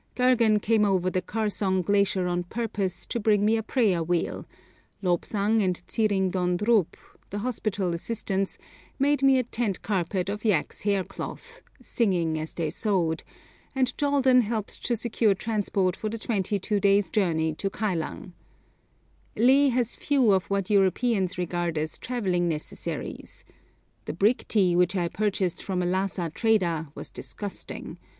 Gergan came over the Kharzong glacier on purpose to bring me a prayer wheel; Lob sang and Tse ring don drub, the hospital assistants, made me a tent carpet of yak's hair cloth, singing as they sewed; and Joldan helped to secure transport for the twenty two days' journey to Kylang. Leh has few of what Europeans regard as travelling necessaries. The brick tea which I purchased from a Lhassa trader was disgusting.